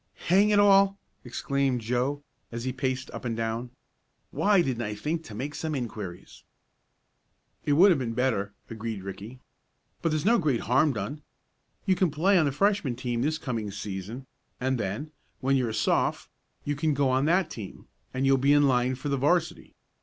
"Hang it all!" exclaimed Joe, as he paced up and down, "why didn't I think to make some inquiries?" "It would have been better," agreed Ricky. "But there's no great harm done. You can play on the Freshman team this coming season, and then, when you're a Soph., you can go on that team, and you'll be in line for the 'varsity.